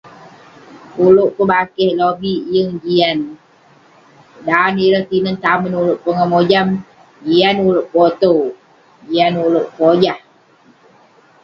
Akouk pebakeh lobik yeng jian. Dan ireh tinen tamen ulouk pongah mojam, jian ulouk potew, jian ulouk pojah.